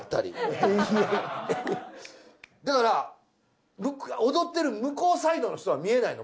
だから踊ってる向こうサイドの人は見えないの。